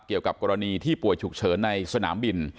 เกี่ยวกับกรณีที่ป่วยฉุกเฉินในสนามบิน